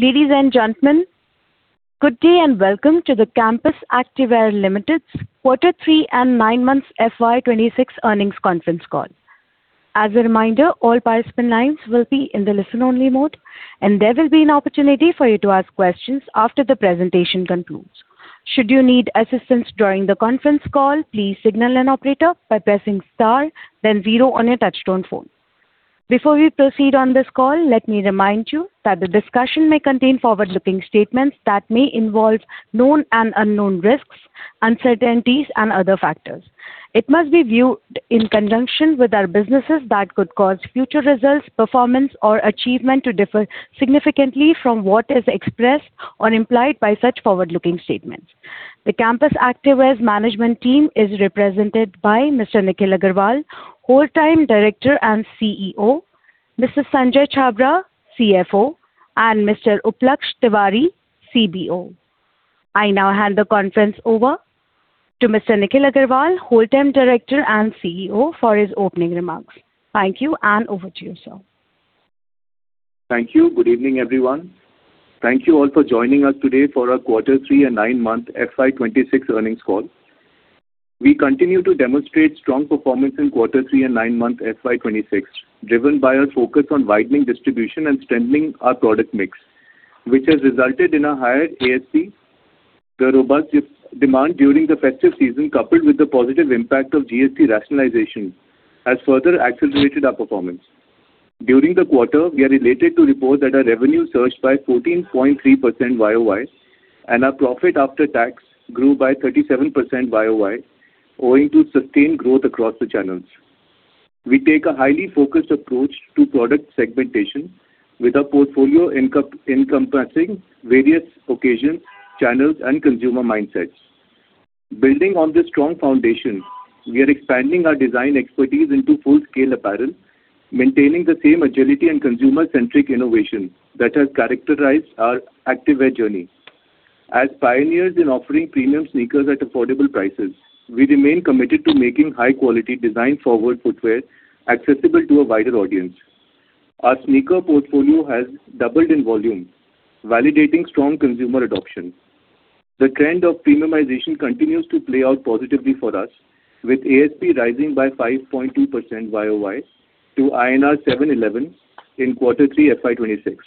Ladies and gentlemen, good day and welcome to the Campus Activewear Limited's Quarter three and nine months FY 2026 Earnings Conference call. As a reminder, all participant lines will be in the listen-only mode, and there will be an opportunity for you to ask questions after the presentation concludes. Should you need assistance during the conference call, please signal an operator by pressing star, then zero on your touch-tone phone. Before we proceed on this call, let me remind you that the discussion may contain forward-looking statements that may involve known and unknown risks, uncertainties, and other factors. It must be viewed in conjunction with other businesses that could cause future results, performance, or achievement to differ significantly from what is expressed or implied by such forward-looking statements. The Campus Activewear's management team is represented by Mr. Nikhil Aggarwal, whole-time director and CEO; Mr. Sanjay Chhabra, CFO; and Mr. Upalaksh Tiwari, CBO. I now hand the conference over to Mr. Nikhil Aggarwal, Whole-time Director and CEO, for his opening remarks. Thank you, and over to you, sir. Thank you. Good evening, everyone. Thank you all for joining us today for our Quarter three and nine Months FY 2026 Earnings call. We continue to demonstrate strong performance in Quarter three and nine Months FY 2026, driven by our focus on widening distribution and strengthening our product mix, which has resulted in a higher ASP. The robust demand during the festive season coupled with the positive impact of GST rationalization has further accelerated our performance. During the quarter, we are pleased to report that our revenue surged by 14.3% YoY, and our profit after tax grew by 37% YoY, owing to sustained growth across the channels. We take a highly focused approach to product segmentation, with our portfolio encompassing various occasions, channels, and consumer mindsets. Building on this strong foundation, we are expanding our design expertise into full-scale apparel, maintaining the same agility and consumer-centric innovation that has characterized our Activewear journey. As pioneers in offering premium sneakers at affordable prices, we remain committed to making high-quality, design-forward footwear accessible to a wider audience. Our sneaker portfolio has doubled in volume, validating strong consumer adoption. The trend of premiumization continues to play out positively for us, with ASP rising by 5.2% YoY to INR 711 in Quarter three FY 2026.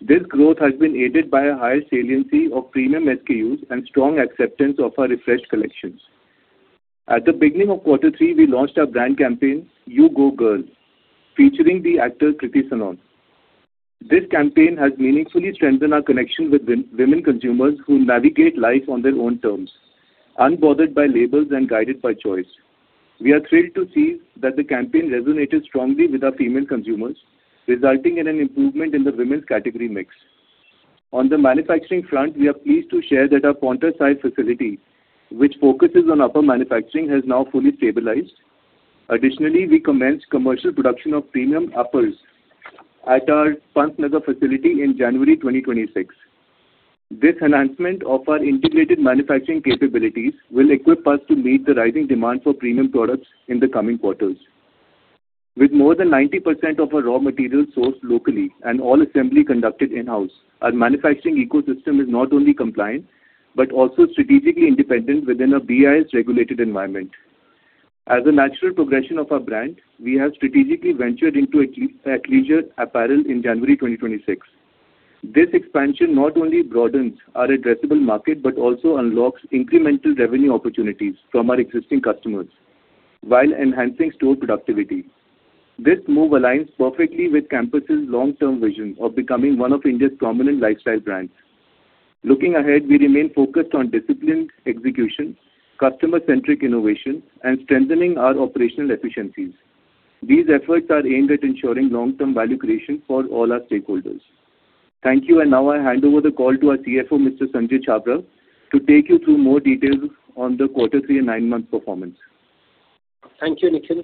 This growth has been aided by a higher saliency of premium SKUs and strong acceptance of our refreshed collections. At the beginning of Quarter three, we launched our brand campaign, "You Go Girl," featuring the actor Kriti Sanon. This campaign has meaningfully strengthened our connection with women consumers who navigate life on their own terms, unbothered by labels and guided by choice. We are thrilled to see that the campaign resonated strongly with our female consumers, resulting in an improvement in the women's category mix. On the manufacturing front, we are pleased to share that our Paonta Sahib facility, which focuses on upper manufacturing, has now fully stabilized. Additionally, we commenced commercial production of premium uppers at our Pantnagar facility in January 2026. This enhancement of our integrated manufacturing capabilities will equip us to meet the rising demand for premium products in the coming quarters. With more than 90% of our raw materials sourced locally and all assembly conducted in-house, our manufacturing ecosystem is not only compliant but also strategically independent within a BIS-regulated environment. As a natural progression of our brand, we have strategically ventured into athleisure apparel in January 2026. This expansion not only broadens our addressable market but also unlocks incremental revenue opportunities from our existing customers while enhancing store productivity. This move aligns perfectly with Campus's long-term vision of becoming one of India's prominent lifestyle brands. Looking ahead, we remain focused on disciplined execution, customer-centric innovation, and strengthening our operational efficiencies. These efforts are aimed at ensuring long-term value creation for all our stakeholders. Thank you, and now I hand over the call to our CFO, Mr. Sanjay Chhabra, to take you through more details on the Quarter three and 9 months performance. Thank you, Nikhil.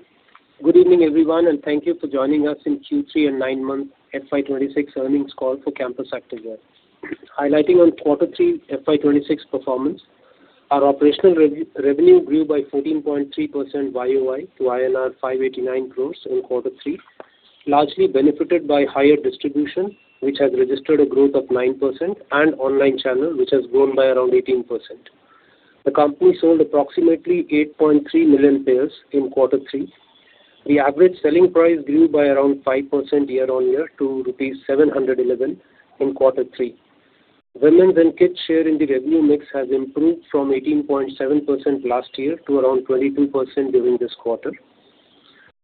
Good evening, everyone, and thank you for joining us in Q3 and nine months FY 2026 Earnings call for Campus Activewear. Highlighting on Quarter three FY 2026 performance, our operational revenue grew by 14.3% YoY to INR 589 crores in Quarter three, largely benefited by higher distribution, which has registered a growth of 9%, and online channel, which has grown by around 18%. The company sold approximately 8.3 million pairs in quarter three. The average selling price grew by around 5% year-on-year to rupees 711 in quarter three. Women's and kids' share in the revenue mix has improved from 18.7% last year to around 22% during this quarter.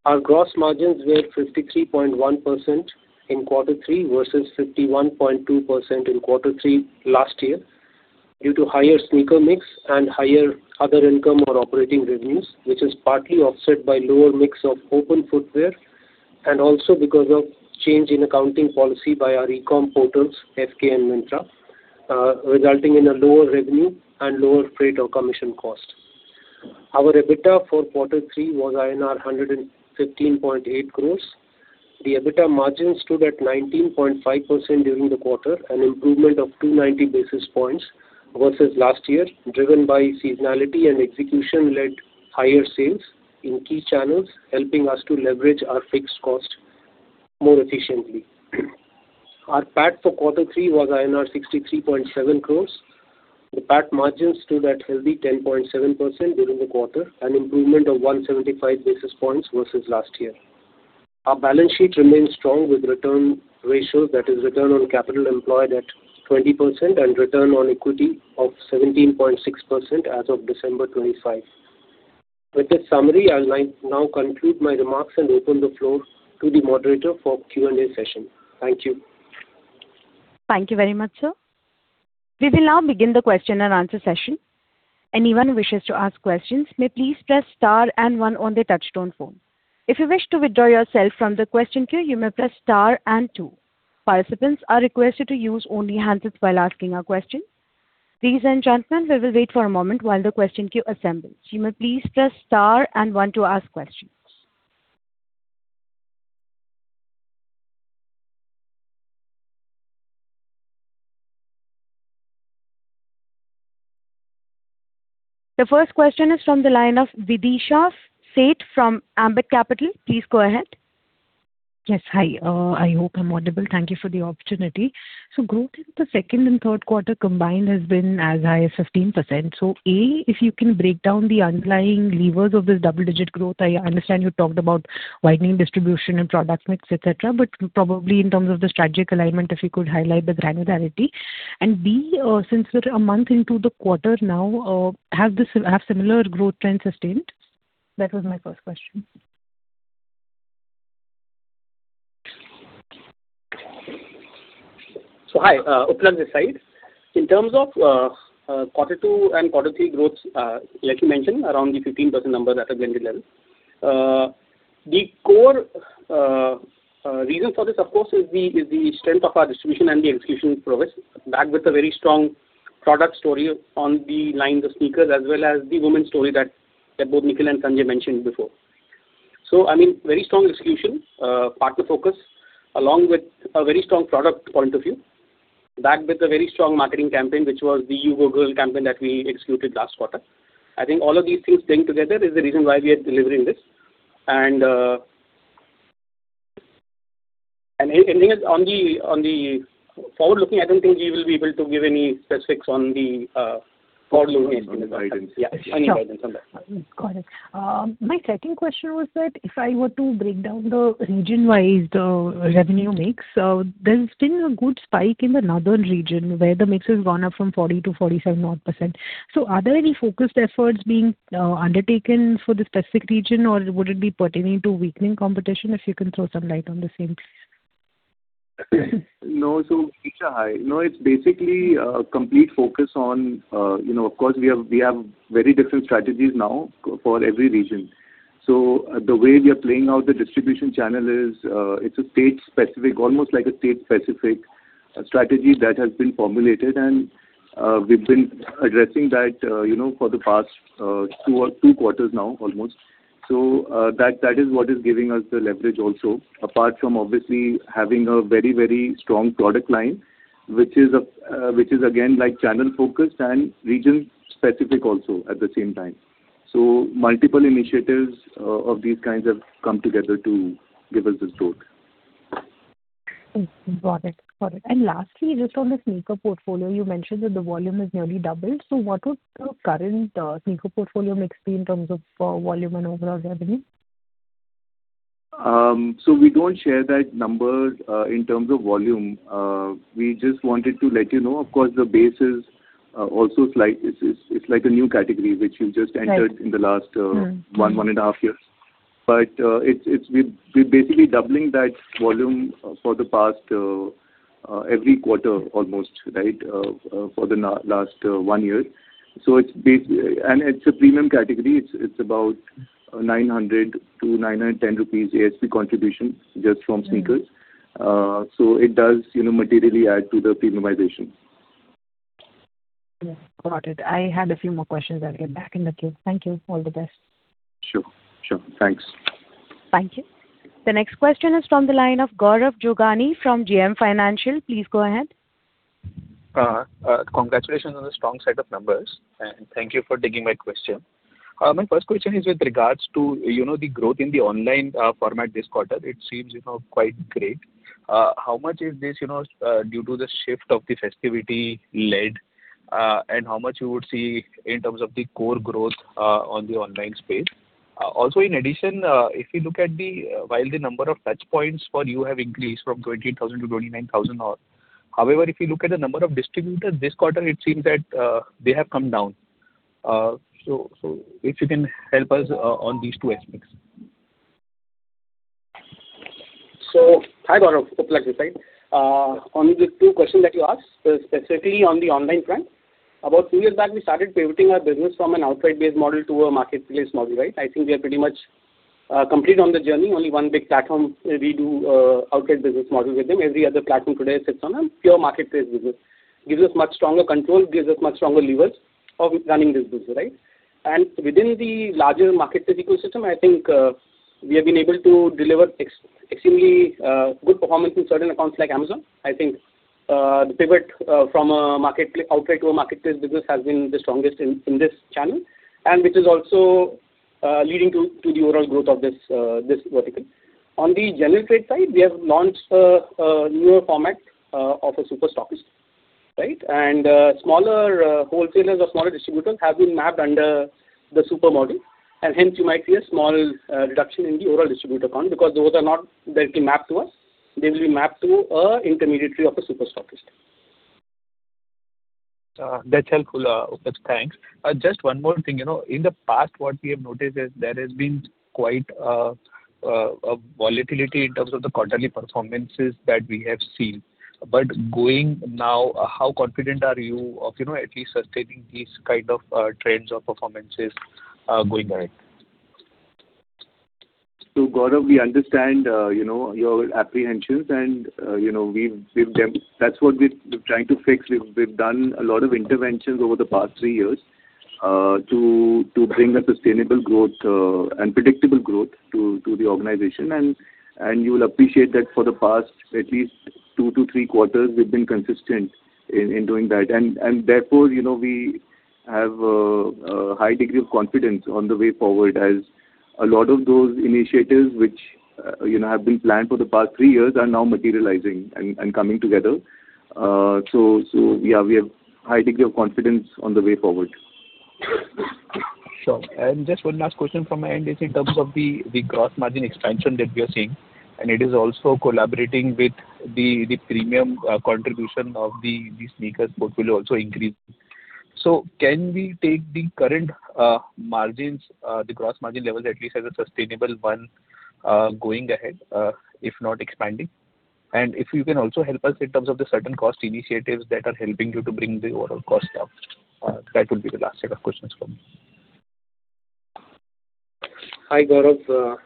Our gross margins were 53.1% in quarter three versus 51.2% in quarter three last year due to higher sneaker mix and higher other income or operating revenues, which is partly offset by lower mix of open footwear and also because of change in accounting policy by our e-com portals, Flipkart and Myntra, resulting in a lower revenue and lower freight or commission cost. Our EBITDA for Quarter three was INR 115.8 crores. The EBITDA margin stood at 19.5% during the quarter, an improvement of 290 basis points versus last year, driven by seasonality and execution-led higher sales in key channels, helping us to leverage our fixed cost more efficiently. Our PAT for quarter three was INR 63.7 crores. The PAT margin stood at healthy 10.7% during the quarter, an improvement of 175 basis points versus last year. Our balance sheet remains strong, with return ratios, that is, return on capital employed at 20% and return on equity of 17.6% as of December 2025. With this summary, I'll now conclude my remarks and open the floor to the moderator for Q&A session. Thank you. Thank you very much, sir. We will now begin the question and answer session. Anyone who wishes to ask questions may please press star and one on their touch-tone phone. If you wish to withdraw yourself from the question queue, you may press star and two. Participants are requested to use only the handset while asking your questions. Ladies and gentlemen, we will wait for a moment while the question queue assembles. You may please press star and one to ask questions. The first question is from the line of Videesha Sheth from Ambit Capital. Please go ahead. Yes, hi. I hope I'm audible. Thank you for the opportunity. So growth in the second and third quarter combined has been as high as 15%. So A, if you can break down the underlying levers of this double-digit growth, I understand you talked about widening distribution and product mix, etc., but probably in terms of the strategic alignment, if you could highlight the granularity. And B, since we're a month into the quarter now, have similar growth trends sustained? That was my first question. So hi, Upalaksh Tiwari. In terms of quarter two and quarter three growths, like you mentioned, around the 15% number at a blended level, the core reason for this, of course, is the strength of our distribution and the execution prowess, backed with a very strong product story on the lines of sneakers as well as the women's story that both Nikhil and Sanjay mentioned before. So I mean, very strong execution, partner focus, along with a very strong product point of view, backed with a very strong marketing campaign, which was the "You Go Girl" campaign that we executed last quarter. I think all of these things playing together is the reason why we are delivering this. And anything else on the forward-looking, I don't think we will be able to give any specifics on the forward-looking estimates. Any guidance. Yeah, any guidance on that? Got it. My second question was that if I were to break down the region-wise revenue mix, there's been a good spike in the northern region where the mix has gone up from 40% to 47% odd. So are there any focused efforts being undertaken for the specific region, or would it be pertaining to weakening competition, if you can throw some light on the same, please? No, so each area. No, it's basically complete focus on of course, we have very different strategies now for every region. So the way we are playing out the distribution channel is it's almost like a state-specific strategy that has been formulated, and we've been addressing that for the past two quarters now, almost. So that is what is giving us the leverage also, apart from obviously having a very, very strong product line, which is, again, channel-focused and region-specific also at the same time. So multiple initiatives of these kinds have come together to give us this growth. Got it. Got it. Lastly, just on the sneaker portfolio, you mentioned that the volume has nearly doubled. What would the current sneaker portfolio mix be in terms of volume and overall revenue? So we don't share that number in terms of volume. We just wanted to let you know, of course, the base is also slight it's like a new category, which you've just entered in the last 1.5 years. But we're basically doubling that volume for the past every quarter, almost, right, for the last one year. And it's a premium category. It's about 900-910 rupees ASP contribution just from sneakers. So it does materially add to the premiumization. Got it. I had a few more questions. I'll get back in the queue. Thank you. All the best. Sure. Sure. Thanks. Thank you. The next question is from the line of Gaurav Jogani from JM Financial. Please go ahead. Congratulations on the strong set of numbers, and thank you for taking my question. My first question is with regards to the growth in the online format this quarter. It seems quite great. How much is this due to the shift of the festivity-led, and how much you would see in terms of the core growth on the online space? Also, in addition, if you look at while the number of touchpoints for you have increased from 20,000 to 29,000 odd, however, if you look at the number of distributors this quarter, it seems that they have come down. So if you can help us on these two aspects. So hi, Gaurav. Upalaksh Tiwari. On the two questions that you asked, specifically on the online front, about two years back, we started pivoting our business from an outright-based model to a marketplace model, right? I think we are pretty much complete on the journey. Only one big platform, we do outright business model with them. Every other platform today sits on a pure marketplace business. Gives us much stronger control, gives us much stronger levers of running this business, right? And within the larger marketplace ecosystem, I think we have been able to deliver extremely good performance in certain accounts like Amazon. I think the pivot from an outright to a marketplace business has been the strongest in this channel, and which is also leading to the overall growth of this vertical. On the general trade side, we have launched a newer format of a super stockist, right? And smaller wholesalers or smaller distributors have been mapped under the super model. And hence, you might see a small reduction in the overall distributor count because those are not directly mapped to us. They will be mapped to an intermediary of a super stockist. That's helpful, Upalaksh. Thanks. Just one more thing. In the past, what we have noticed is there has been quite a volatility in terms of the quarterly performances that we have seen. But going now, how confident are you of at least sustaining these kind of trends of performances going ahead? So Gaurav, we understand your apprehensions, and that's what we're trying to fix. We've done a lot of interventions over the past three years to bring a sustainable growth and predictable growth to the organization. You will appreciate that for the past at least two to three quarters, we've been consistent in doing that. Therefore, we have a high degree of confidence on the way forward as a lot of those initiatives, which have been planned for the past three years, are now materializing and coming together. So yeah, we have a high degree of confidence on the way forward. Sure. Just one last question from my end is in terms of the gross margin expansion that we are seeing, and it is also collaborating with the premium contribution of the sneakers portfolio also increasing. So can we take the current margins, the gross margin levels at least, as a sustainable one going ahead, if not expanding? And if you can also help us in terms of the certain cost initiatives that are helping you to bring the overall cost up, that would be the last set of questions from me. Hi, Gaurav.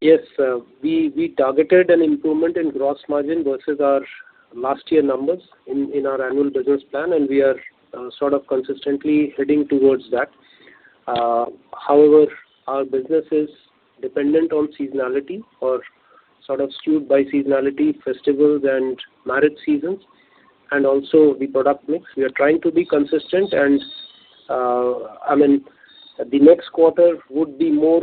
Yes, we targeted an improvement in gross margin versus our last year numbers in our annual business plan, and we are sort of consistently heading towards that. However, our business is dependent on seasonality or sort of skewed by seasonality, festivals, and marriage seasons. Also the product mix, we are trying to be consistent. And I mean, the next quarter would be more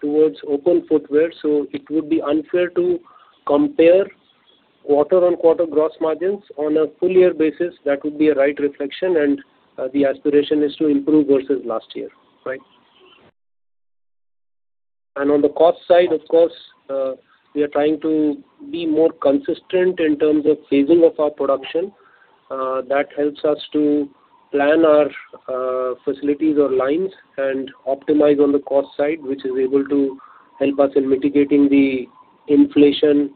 towards open footwear, so it would be unfair to compare quarter-on-quarter gross margins on a full-year basis. That would be a right reflection, and the aspiration is to improve versus last year, right? And on the cost side, of course, we are trying to be more consistent in terms of phasing of our production. That helps us to plan our facilities or lines and optimize on the cost side, which is able to help us in mitigating the inflation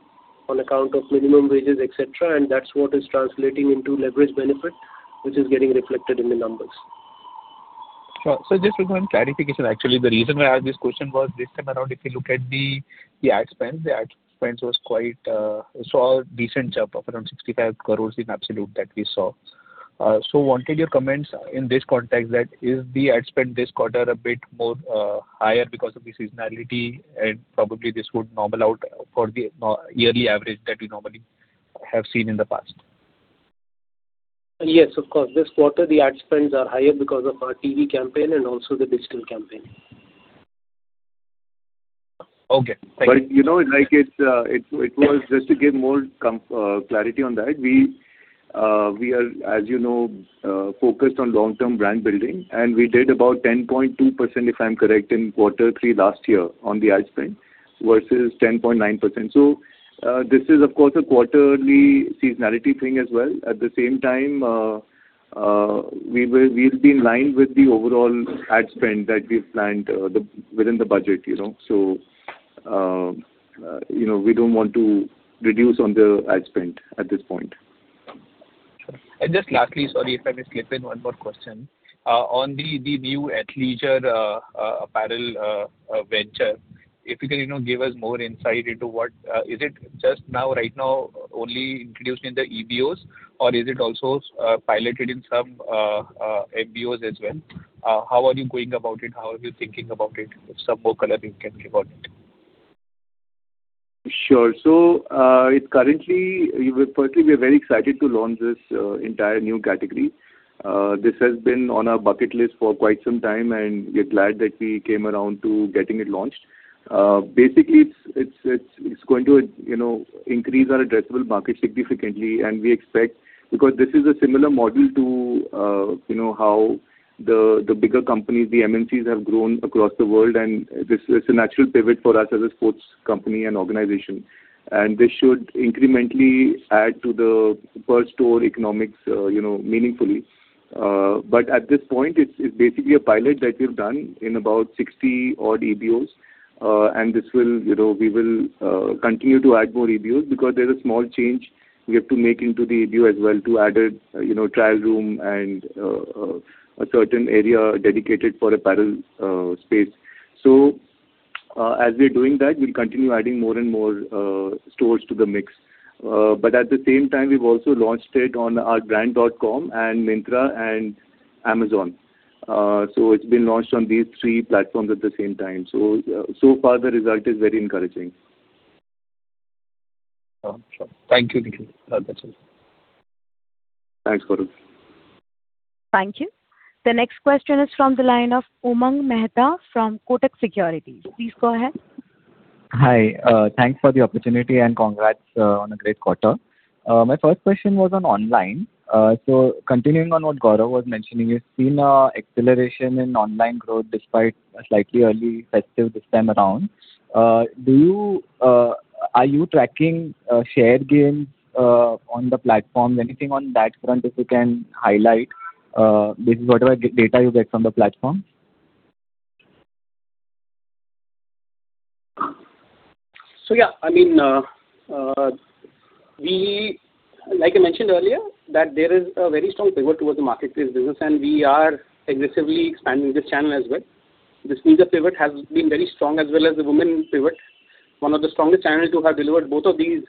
on account of minimum wages, etc. That's what is translating into leverage benefit, which is getting reflected in the numbers. Sure. So just for some clarification, actually, the reason why I asked this question was this time around, if you look at the ad spend, the ad spend was quite, it saw a decent jump of around 65 crore in absolute that we saw. So I wanted your comments in this context that is the ad spend this quarter a bit more higher because of the seasonality, and probably this would normal out for the yearly average that we normally have seen in the past? Yes, of course. This quarter, the ad spends are higher because of our TV campaign and also the digital campaign. Okay. Thank you. But it was just to give more clarity on that, we are, as you know, focused on long-term brand building, and we did about 10.2%, if I'm correct, in quarter three last year on the ad spend versus 10.9%. So this is, of course, a quarterly seasonality thing as well. At the same time, we'll be in line with the overall ad spend that we've planned within the budget. So we don't want to reduce on the ad spend at this point. Sure. And just lastly, sorry if I may slip in, one more question. On the new Athleisure apparel venture, if you can give us more insight into what is it just now, right now, only introduced in the EBOs, or is it also piloted in some MBOs as well? How are you going about it? How are you thinking about it? If some more color you can give on it? Sure. So currently, firstly, we are very excited to launch this entire new category. This has been on our bucket list for quite some time, and we're glad that we came around to getting it launched. Basically, it's going to increase our addressable market significantly, and we expect, because this is a similar model to how the bigger companies, the MNCs, have grown across the world, and this is a natural pivot for us as a sports company and organization. And this should incrementally add to the per-store economics meaningfully. But at this point, it's basically a pilot that we've done in about 60-odd EBOs, and we will continue to add more EBOs because there's a small change we have to make into the EBO as well to add a trial room and a certain area dedicated for apparel space. As we're doing that, we'll continue adding more and more stores to the mix. At the same time, we've also launched it on our brand.com and Myntra and Amazon. It's been launched on these three platforms at the same time. So far, the result is very encouraging. Sure. Thank you, Nikhil. That's all. Thanks, Gaurav. Thank you. The next question is from the line of Umang Mehta from Kotak Securities. Please go ahead. Hi. Thanks for the opportunity, and congrats on a great quarter. My first question was on online. So continuing on what Gaurav was mentioning, you've seen an acceleration in online growth despite a slightly early festive this time around. Are you tracking share gains on the platform? Anything on that front, if you can highlight? This is whatever data you get from the platform. So yeah, I mean, like I mentioned earlier, that there is a very strong pivot towards the marketplace business, and we are aggressively expanding this channel as well. This sneaker pivot has been very strong as well as the women pivot. One of the strongest channels to have delivered both of these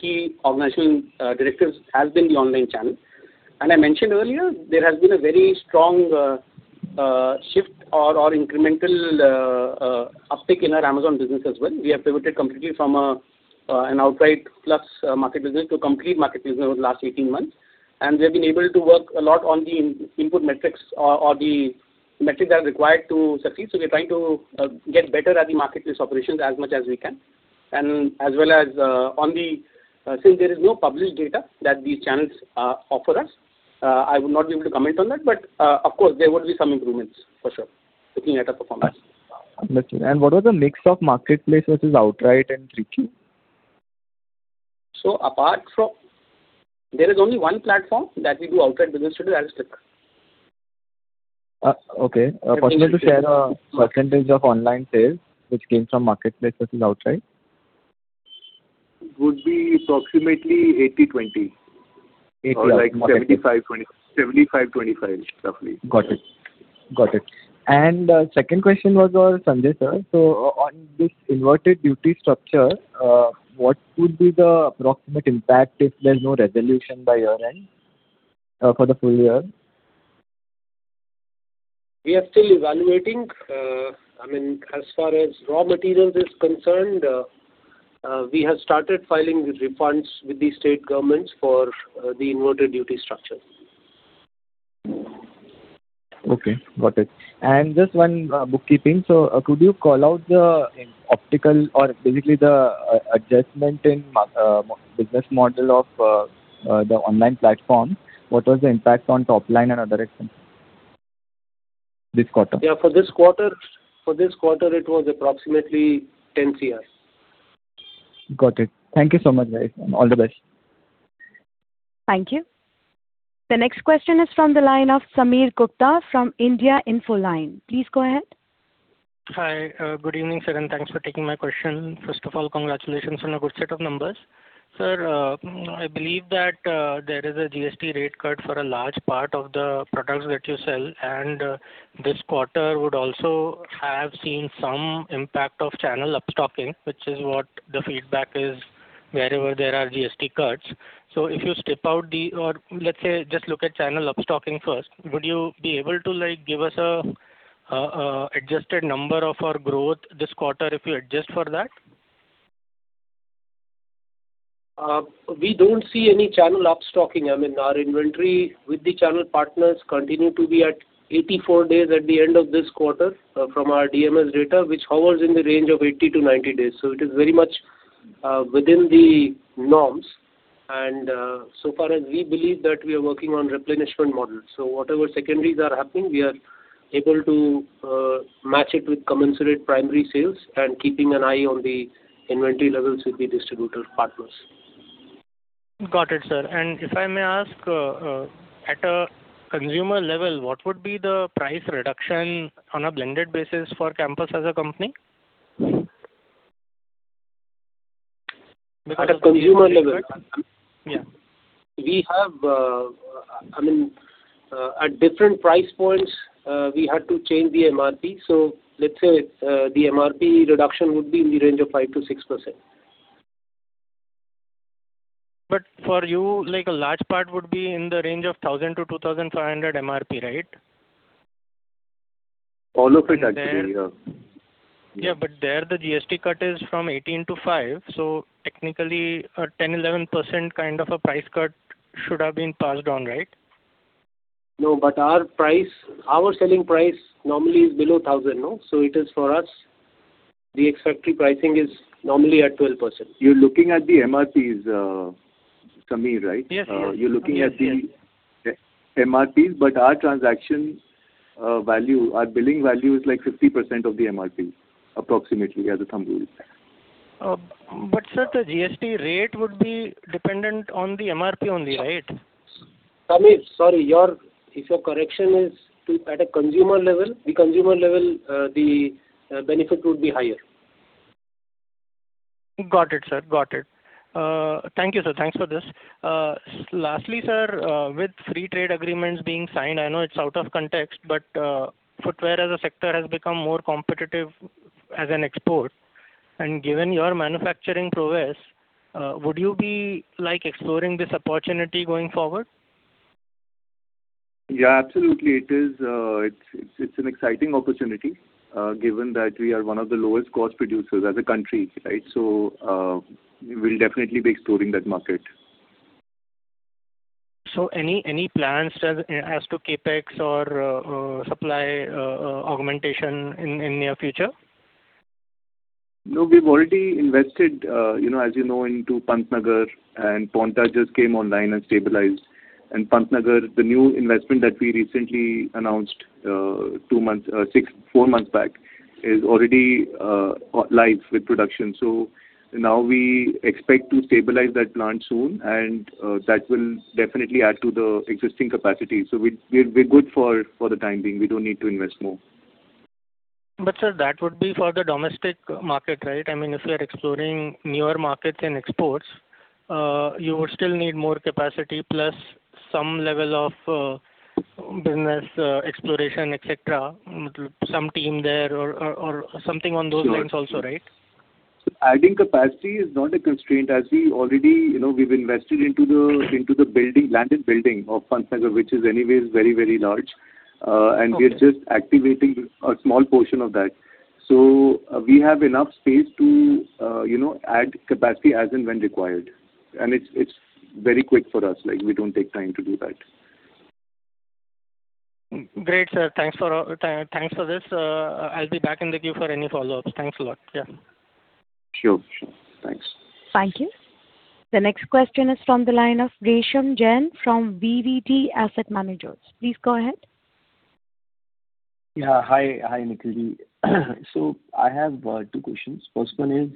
key organizational directives has been the online channel. And I mentioned earlier, there has been a very strong shift or incremental uptick in our Amazon business as well. We have pivoted completely from an outright-plus market business to a complete market business over the last 18 months. And we have been able to work a lot on the input metrics or the metrics that are required to succeed. So we're trying to get better at the marketplace operations as much as we can. As well as since there is no published data that these channels offer us, I would not be able to comment on that. Of course, there would be some improvements for sure, looking at our performance. Understood. What was the mix of marketplace versus outright and Q3? So there is only one platform that we do outright business to do, that is Tata CLiQ. Okay. Possible to share a percentage of online sales which came from marketplace versus outright? It would be approximately 80/20 or like 75/25, roughly. Got it. Got it. Second question was for Sanjay Sir. On this inverted duty structure, what would be the approximate impact if there's no resolution by year-end for the full year? We are still evaluating. I mean, as far as raw materials is concerned, we have started filing refunds with the state governments for the inverted duty structure. Okay. Got it. And just one bookkeeping. So could you call out the optical or basically the adjustment in business model of the online platform? What was the impact on topline and other expenses this quarter? Yeah, for this quarter, it was approximately 10 crore. Got it. Thank you so much, guys. All the best. Thank you. The next question is from the line of Sameer Gupta from India Infoline. Please go ahead. Hi. Good evening, sir, and thanks for taking my question. First of all, congratulations on a good set of numbers. Sir, I believe that there is a GST rate cut for a large part of the products that you sell, and this quarter would also have seen some impact of channel upstocking, which is what the feedback is wherever there are GST cuts. So if you step out, or let's say just look at channel upstocking first, would you be able to give us an adjusted number of our growth this quarter if you adjust for that? We don't see any channel upstocking. I mean, our inventory with the channel partners continued to be at 84 days at the end of this quarter from our DMS data, which hovers in the range of 80-90 days. So it is very much within the norms. And so far as we believe that we are working on replenishment model. So whatever secondaries are happening, we are able to match it with commensurate primary sales and keeping an eye on the inventory levels with the distributor partners. Got it, sir. And if I may ask, at a consumer level, what would be the price reduction on a blended basis for Campus as a company? At a consumer level, we have I mean, at different price points, we had to change the MRP. So let's say the MRP reduction would be in the range of 5%-6%. But for you, a large part would be in the range of 1,000-2,500 MRP, right? All of it, actually. Yeah. Yeah, but there the GST cut is from 18% to 5%. So technically, a 10%-11% kind of a price cut should have been passed on, right? No, but our selling price normally is below 1,000, no? So it is for us, the expected pricing is normally at 12%. You're looking at the MRPs, Sameer, right? Yes, yes. You're looking at the MRPs, but our transaction value, our billing value is like 50% of the MRP, approximately, as a thumb rule. Sir, the GST rate would be dependent on the MRP only, right? Sameer, sorry, if your correction is at a consumer level, the consumer level, the benefit would be higher. Got it, sir. Got it. Thank you, sir. Thanks for this. Lastly, sir, with free trade agreements being signed, I know it's out of context, but footwear as a sector has become more competitive as an export. Given your manufacturing progress, would you be exploring this opportunity going forward? Yeah, absolutely. It's an exciting opportunity given that we are one of the lowest cost producers as a country, right? So we'll definitely be exploring that market. Any plans as to CapEx or supply augmentation in the near future? No, we've already invested, as you know, into Pantnagar, and Paonta just came online and stabilized. And Pantnagar, the new investment that we recently announced four months back is already live with production. So now we expect to stabilize that plant soon, and that will definitely add to the existing capacity. So we're good for the time being. We don't need to invest more. But sir, that would be for the domestic market, right? I mean, if you are exploring newer markets and exports, you would still need more capacity plus some level of business exploration, etc., some team there or something on those lines also, right? Adding capacity is not a constraint. As we already have invested in the land and building of Pantnagar, which is anyways very, very large, and we are just activating a small portion of that. So we have enough space to add capacity as and when required. It's very quick for us. We don't take time to do that. Great, sir. Thanks for this. I'll be back in the queue for any follow-ups. Thanks a lot. Yeah. Sure. Sure. Thanks. Thank you. The next question is from the line of Resham Jain from DSP Asset Managers. Please go ahead. Yeah. Hi, Nikhil. So I have two questions. First one is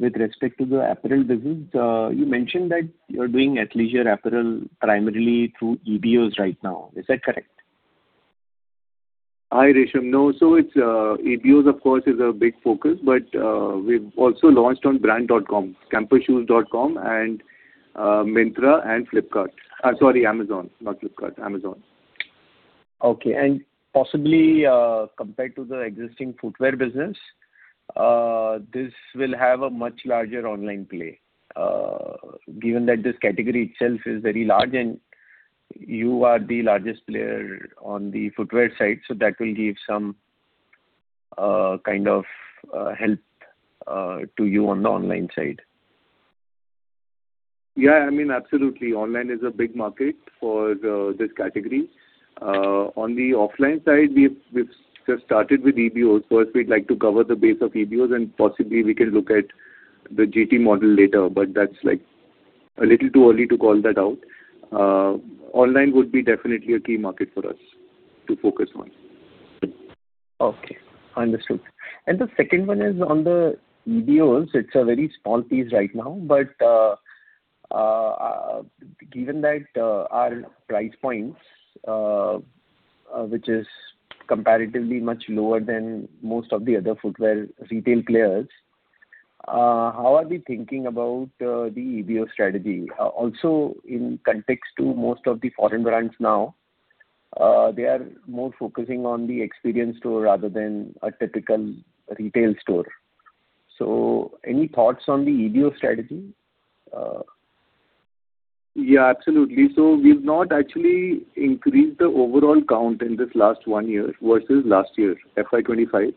with respect to the apparel business. You mentioned that you're doing athleisure apparel primarily through EBOs right now. Is that correct? Hi, Resham. No, so EBOs, of course, is a big focus, but we've also launched on brand.com, campusshoes.com, and Myntra and Flipkart. Sorry, Amazon, not Flipkart. Amazon. Okay. Possibly, compared to the existing footwear business, this will have a much larger online play given that this category itself is very large and you are the largest player on the footwear side. So that will give some kind of help to you on the online side. Yeah, I mean, absolutely. Online is a big market for this category. On the offline side, we've just started with EBOs. First, we'd like to cover the base of EBOs, and possibly we can look at the GT model later, but that's a little too early to call that out. Online would be definitely a key market for us to focus on. Okay. Understood. The second one is on the EBOs. It's a very small piece right now, but given that our price points, which is comparatively much lower than most of the other footwear retail players, how are we thinking about the EBO strategy? Also, in context to most of the foreign brands now, they are more focusing on the experience store rather than a typical retail store. So any thoughts on the EBO strategy? Yeah, absolutely. So we've not actually increased the overall count in this last one year versus last year, FY 2025.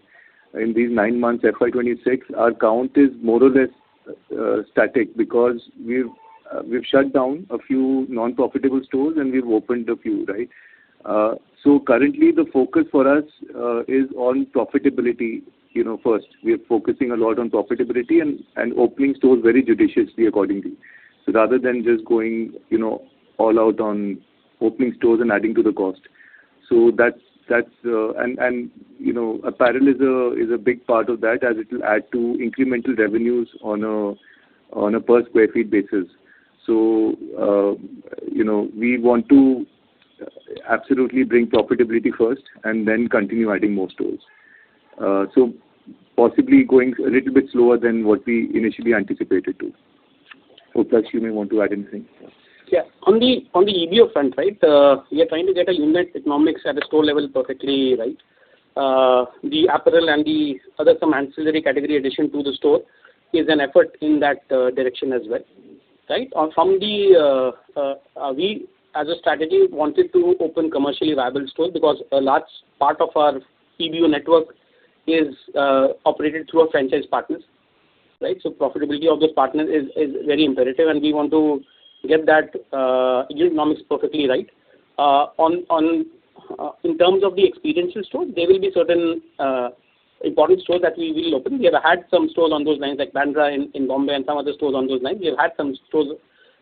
In these nine months, FY 2026, our count is more or less static because we've shut down a few unprofitable stores and we've opened a few, right? So currently, the focus for us is on profitability first. We are focusing a lot on profitability and opening stores very judiciously accordingly rather than just going all out on opening stores and adding to the cost. And apparel is a big part of that as it will add to incremental revenues on a per sq ft basis. So we want to absolutely bring profitability first and then continue adding more stores. So possibly going a little bit slower than what we initially anticipated too. Upalaksh, you may want to add anything. Yeah. On the EBO front, right, we are trying to get our unit economics at a store level perfectly right. The apparel and the other some ancillary category addition to the store is an effort in that direction as well, right? From there, we, as a strategy, wanted to open commercially viable stores because a large part of our EBO network is operated through our franchise partners, right? So profitability of those partners is very imperative, and we want to get that unit economics perfectly right. In terms of the experience stores, there will be certain important stores that we will open. We have had some stores on those lines like Bandra in Bombay and some other stores on those lines. We have had some stores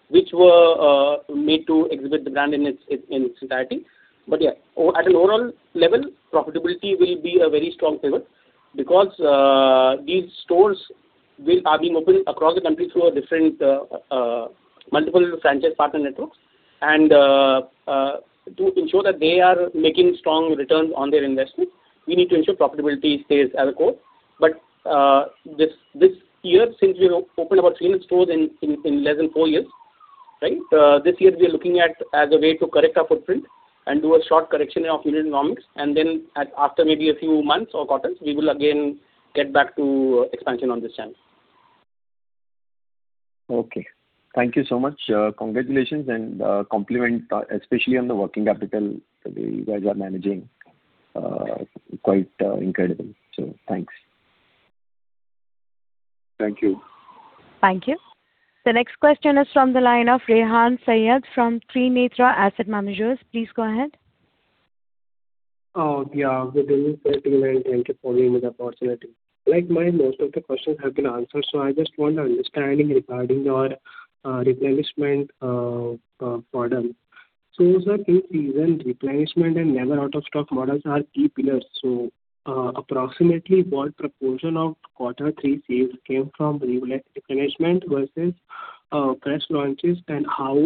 which were made to exhibit the brand in its entirety. But yeah, at an overall level, profitability will be a very strong pivot because these stores are being opened across the country through multiple franchise partner networks. And to ensure that they are making strong returns on their investment, we need to ensure profitability stays as a core. But this year, since we've opened about 300 stores in less than four years, right, this year we are looking at as a way to correct our footprint and do a short correction of unit economics. And then after maybe a few months or quarters, we will again get back to expansion on this channel. Okay. Thank you so much. Congratulations and compliment, especially on the working capital that you guys are managing, quite incredible. So thanks. Thank you. Thank you. The next question is from the line of Rehan Sayyed from Trinetra Asset Managers. Please go ahead. Oh, yeah. Good evening, sir, team, and thank you for giving me the opportunity. Like mine, most of the questions have been answered, so I just want understanding regarding our replenishment model. So sir, in-season replenishment and never-out-of-stock models are key pillars. So approximately, what proportion of quarter three sales came from replenishment versus fresh launches, and how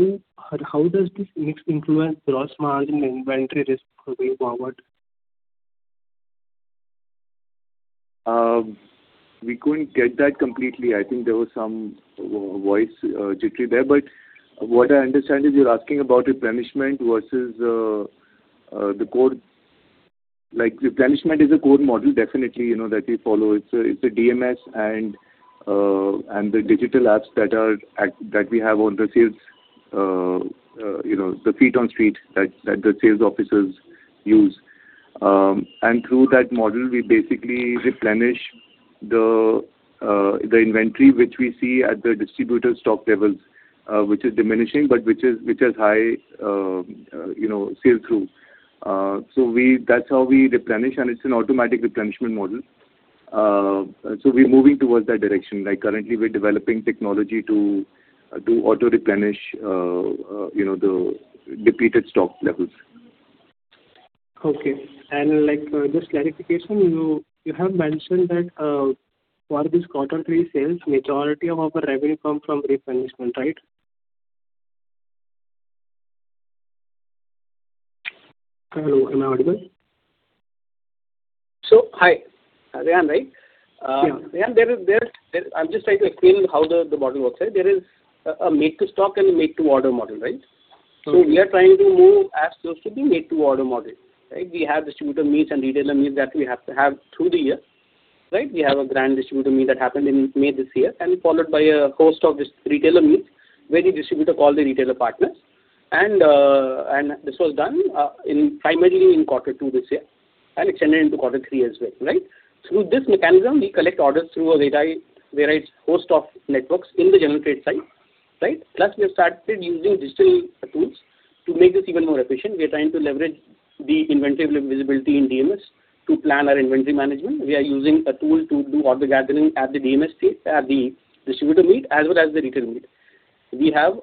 does this mix influence gross margin and inventory risk going forward? We couldn't get that completely. I think there was some voice jittery there. But what I understand is you're asking about replenishment versus the core replenishment is a core model, definitely, that we follow. It's a DMS and the digital apps that we have on the sales, the feet-on-street that the sales officers use. And through that model, we basically replenish the inventory, which we see at the distributor stock levels, which is diminishing but which has high sales through. So that's how we replenish, and it's an automatic replenishment model. So we're moving towards that direction. Currently, we're developing technology to auto-replenish the depleted stock levels. Okay. And just clarification, you have mentioned that for this quarter three sales, majority of our revenue comes from replenishment, right? Hello. Am I audible? Hi. Rehan, right? Yeah. Rehan, I'm just trying to explain how the model works, right? There is a made-to-stock and a made-to-order model, right? So we are trying to move as close to the made-to-order model, right? We have distributor meets and retailer meets that we have to have through the year, right? We have a grand distributor meet that happened in May this year and followed by a host of retailer meets where the distributor calls the retailer partners. This was done primarily in quarter two this year and extended into quarter three as well, right? Through this mechanism, we collect orders through a varied host of networks in the general trade site, right? Plus, we have started using digital tools to make this even more efficient. We are trying to leverage the inventory visibility in DMS to plan our inventory management. We are using a tool to do order gathering at the DMS stage, at the distributor meet, as well as the retail meet. We have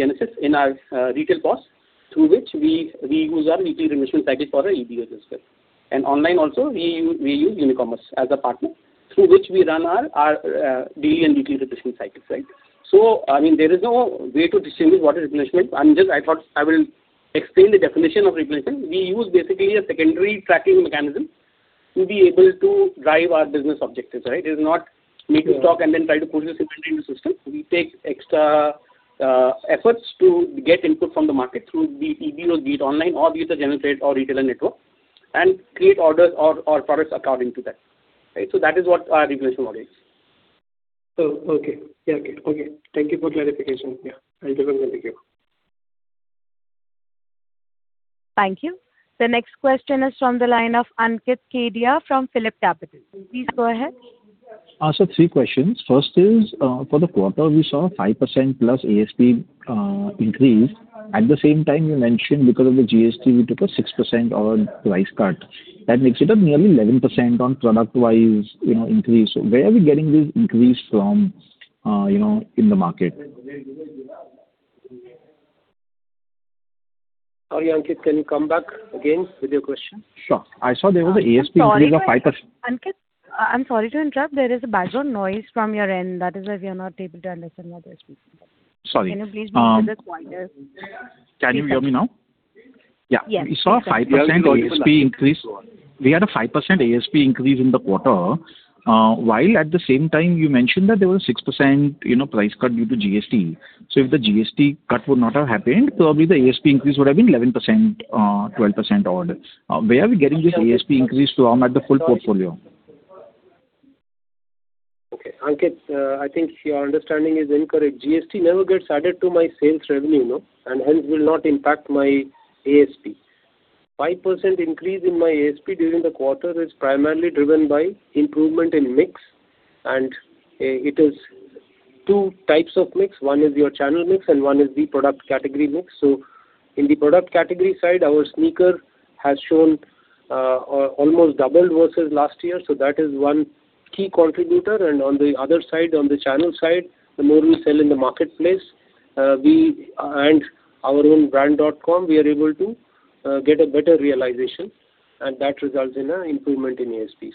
Ginesys in our retail POS through which we use our weekly replenishment cycle for our EBOs as well. And online also, we use Unicommerce as a partner through which we run our daily and weekly replenishment cycles, right? So I mean, there is no way to distinguish what is replenishment. I thought I will explain the definition of replenishment. We use basically a secondary tracking mechanism to be able to drive our business objectives, right? It is not made-to-stock and then try to push this inventory into the system. We take extra efforts to get input from the market through the EBOs, be it online or be it a general trade or retailer network, and create orders or products according to that, right? That is what our replenishment model is. Oh, okay. Yeah, okay. Okay. Thank you for clarification. Yeah. I'll give them the review. Thank you. The next question is from the line of Ankit Kedia from PhillipCapital. Please go ahead. Sir, three questions. First is, for the quarter, we saw a 5%+ ASP increase. At the same time, you mentioned because of the GST, we took a 6% price cut. That makes it up nearly 11% on product-wise increase. So where are we getting this increase from in the market? Sorry, Ankit, can you come back again with your question? Sure. I saw there was an ASP increase of 5%. Ankit, I'm sorry to interrupt. There is a background noise from your end. That is why we are not able to understand what they're speaking about. Sorry. Can you please be a little bit quieter? Can you hear me now? Yeah. We saw a 5% ASP increase. We had a 5% ASP increase in the quarter while, at the same time, you mentioned that there was a 6% price cut due to GST. So if the GST cut would not have happened, probably the ASP increase would have been 11%-12% odd. Where are we getting this ASP increase from at the full portfolio? Okay. Ankit, I think your understanding is incorrect. GST never gets added to my sales revenue, and hence, will not impact my ASP. 5% increase in my ASP during the quarter is primarily driven by improvement in mix. It is two types of mix. One is your channel mix, and one is the product category mix. In the product category side, our sneaker has shown almost doubled versus last year. That is one key contributor. On the other side, on the channel side, the more we sell in the marketplace and our own brand.com, we are able to get a better realization, and that results in an improvement in ASP.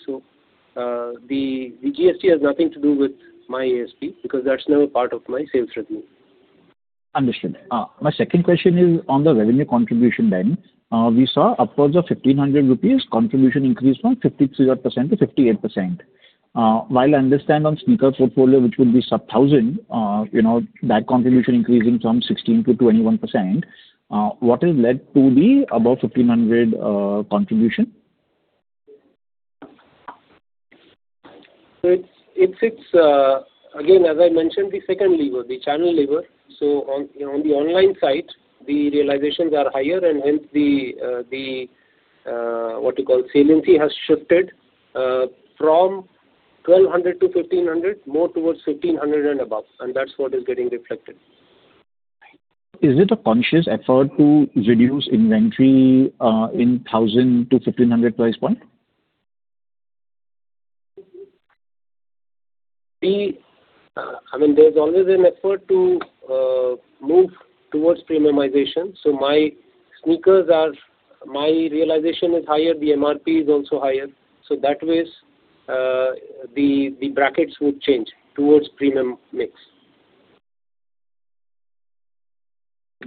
The GST has nothing to do with my ASP because that's never part of my sales revenue. Understood. My second question is on the revenue contribution line. We saw upwards of 1,500 rupees contribution increase from 53% to 58%. While I understand on sneaker portfolio, which would be sub-1,000, that contribution increasing from 16% to 21%, what has led to the above-1,500 contribution? So again, as I mentioned, the second lever, the channel lever. So on the online side, the realizations are higher, and hence, what you call saliency has shifted from 1,200 to 1,500 more towards 1,500 and above. And that's what is getting reflected. Is it a conscious effort to reduce inventory in 1,000-1,500 price point? I mean, there's always an effort to move towards premiumization. So my realization is higher. The MRP is also higher. So that way, the brackets would change towards premium mix.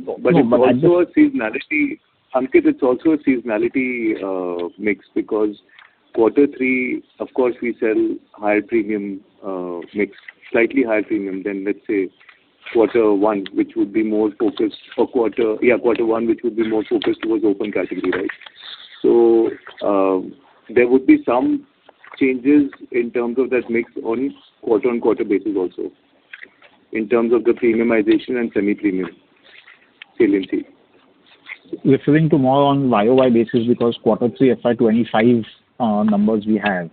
But it's also a seasonality. Ankit, it's also a seasonality mix because quarter three, of course, we sell higher premium mix, slightly higher premium than, let's say, quarter one, which would be more focused towards open category, right? So there would be some changes in terms of that mix on quarter-on-quarter basis also in terms of the premiumization and semi-premium saliency. Referring to more on year-over-year basis because quarter three, FY 2025 numbers we have.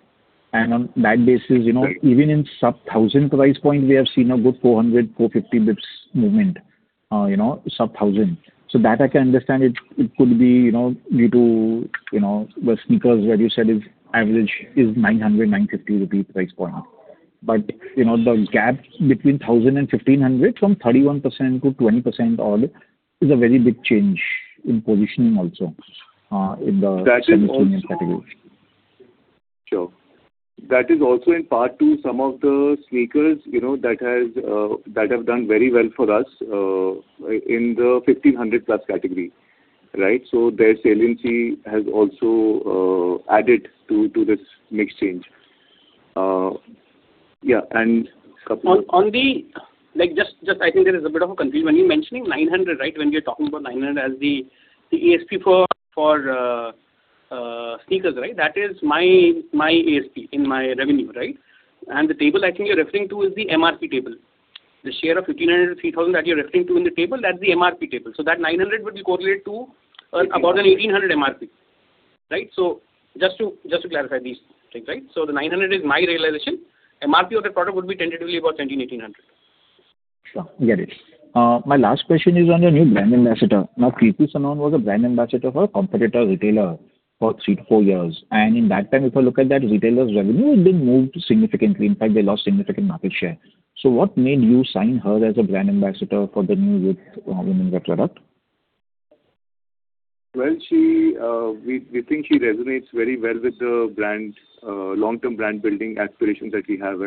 On that basis, even in sub-1,000 price point, we have seen a good 400-450 basis points movement, sub-1,000. So that, I can understand, it could be due to the sneakers where you said average is 900-950 rupee price point. But the gap between 1,000 and 1,500 from 31% to 20% odd is a very big change in positioning also in the semi-premium category. Sure. That is also in part to some of the sneakers that have done very well for us in the 1,500+ category, right? So their saliency has also added to this mix change. Yeah. And a couple of. Just, I think there is a bit of a confusion. When you're mentioning 900, right, when you're talking about 900 as the ASP for sneakers, right, that is my ASP in my revenue, right? And the table I think you're referring to is the MRP table. The share of 1,500-3,000 that you're referring to in the table, that's the MRP table. So that 900 would be correlated to about an 1,800 MRP, right? So just to clarify these things, right? So the 900 is my realization. MRP of the product would be tentatively about 1,700-1,800. Sure. Got it. My last question is on the new brand ambassador. Now, Kriti Sanon was a brand ambassador for a competitor retailer for three, four years. And in that time, if I look at that, retailers' revenue had been moved significantly. In fact, they lost significant market share. So what made you sign her as a brand ambassador for the new women's wear product? Well, we think she resonates very well with the long-term brand building aspirations that we have.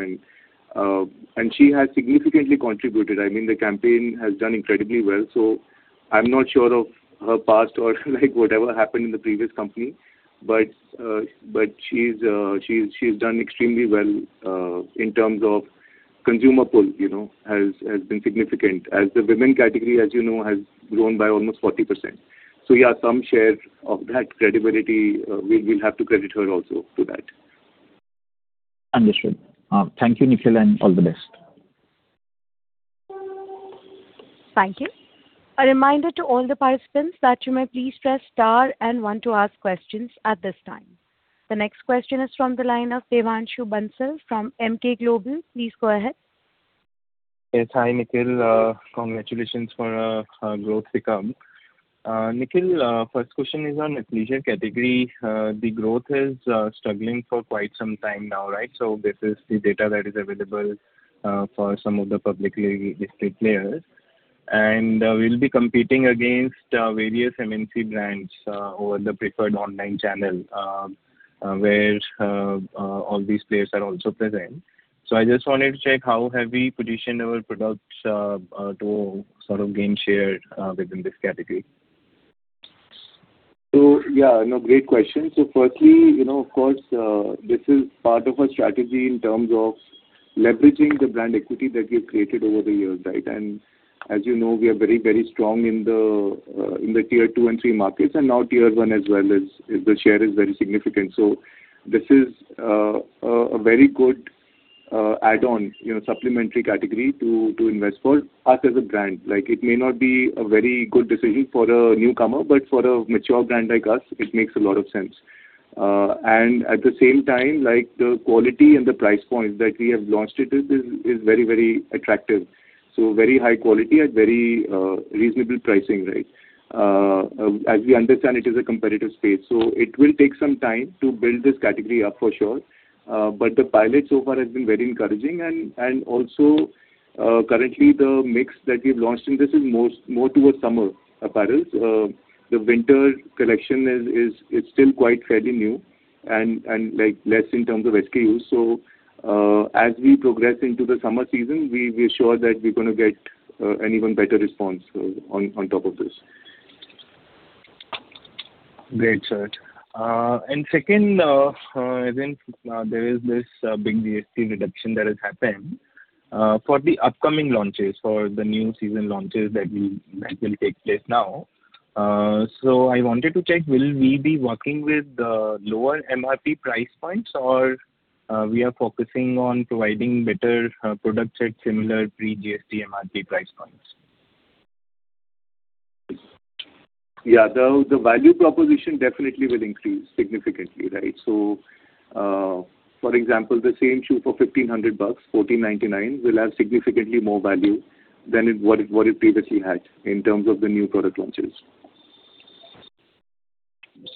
And she has significantly contributed. I mean, the campaign has done incredibly well. So I'm not sure of her past or whatever happened in the previous company, but she's done extremely well in terms of consumer pull has been significant as the women category, as you know, has grown by almost 40%. So yeah, some share of that credibility, we'll have to credit her also to that. Understood. Thank you, Nikhil, and all the best. Thank you. A reminder to all the participants that you may please press star and one to ask questions at this time. The next question is from the line of Devanshu Bansal from Emkay Global Financial Services. Please go ahead. Yes. Hi, Nikhil. Congratulations for growth to come. Nikhil, first question is on athleisure category. The growth is struggling for quite some time now, right? So this is the data that is available for some of the publicly listed players. We'll be competing against various MNC brands over the preferred online channel where all these players are also present. So I just wanted to check how have we positioned our products to sort of gain share within this category? Yeah, no, great question. Firstly, of course, this is part of our strategy in terms of leveraging the brand equity that we've created over the years, right? As you know, we are very, very strong in the Tier 2 and three markets and now tier one as well as the share is very significant. This is a very good add-on, supplementary category to invest for us as a brand. It may not be a very good decision for a newcomer, but for a mature brand like us, it makes a lot of sense. At the same time, the quality and the price point that we have launched it with is very, very attractive. Very high quality at very reasonable pricing, right? As we understand, it is a competitive space. It will take some time to build this category up for sure. But the pilot so far has been very encouraging. Also, currently, the mix that we've launched in this is more towards summer apparels. The winter collection is still quite fairly new and less in terms of SKUs. As we progress into the summer season, we assure that we're going to get an even better response on top of this. Great, sir. And second, as in there is this big GST reduction that has happened for the upcoming launches, for the new season launches that will take place now. So I wanted to check, will we be working with the lower MRP price points, or we are focusing on providing better products at similar pre-GST MRP price points? Yeah. The value proposition definitely will increase significantly, right? So for example, the same shoe for 1,500 bucks, 1,499, will have significantly more value than what it previously had in terms of the new product launches.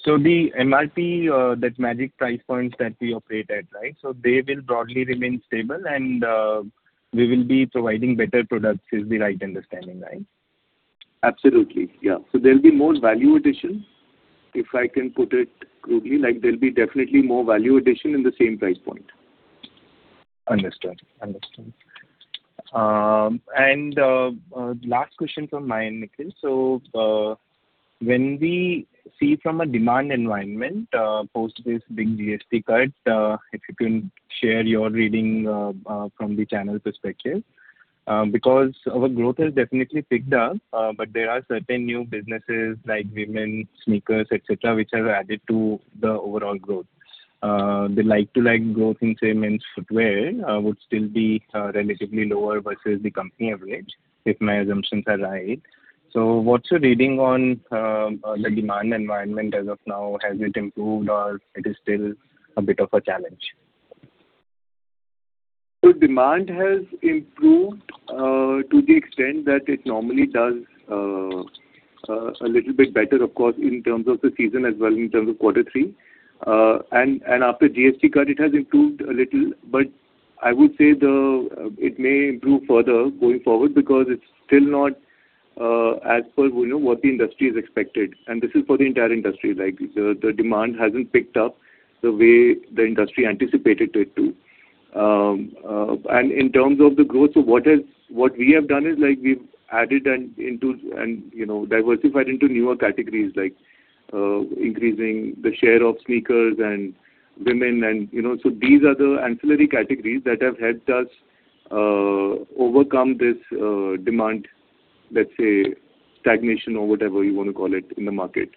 So the MRP, that's magic price points that we operate at, right? So they will broadly remain stable, and we will be providing better products is the right understanding, right? Absolutely. Yeah. There'll be more value addition, if I can put it crudely. There'll be definitely more value addition in the same price point. Understood. Understood. Last question from me, Nikhil. So when we see from a demand environment post this big GST cut, if you can share your reading from the channel perspective because our growth has definitely picked up, but there are certain new businesses like women's sneakers, etc., which have added to the overall growth. The like-for-like growth in women's footwear would still be relatively lower versus the company average if my assumptions are right. So what's your reading on the demand environment as of now? Has it improved, or is it still a bit of a challenge? So demand has improved to the extent that it normally does a little bit better, of course, in terms of the season as well in terms of quarter three. And after GST cut, it has improved a little. But I would say it may improve further going forward because it's still not as per what the industry is expected. And this is for the entire industry. The demand hasn't picked up the way the industry anticipated it to. And in terms of the growth, so what we have done is we've added and diversified into newer categories like increasing the share of sneakers and women. And so these are the ancillary categories that have helped us overcome this demand, let's say, stagnation or whatever you want to call it in the market.